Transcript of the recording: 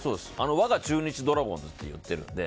我が中日ドラゴンズって言ってるんで。